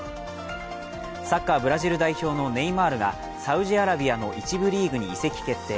サッカーブラジル代表のネイマールがサウジアラビアの１部リーグに移籍決定。